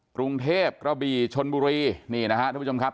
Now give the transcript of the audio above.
กรุงเทพกระบี่ชนบุรีนี่นะครับทุกผู้ชมครับ